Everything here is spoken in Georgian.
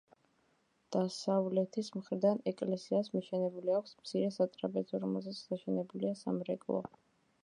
დასავლეთის მხრიდან ეკლესიას მიშენებული აქვს მცირე სატრაპეზო, რომელზეც დაშენებულია სამრეკლო.